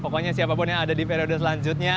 pokoknya siapapun yang ada di periode selanjutnya